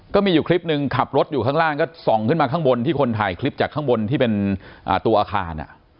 ก็มีอยู่คลิปหนึ่งขับรถอยู่ข้างล่างก็ส่องขึ้นมาข้างบนที่คนถ่ายคลิปจากข้างบนที่เป็นตัวอาคาร